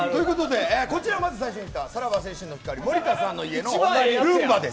こちら、まずはさらば青春の光森田さんの家のルンバです。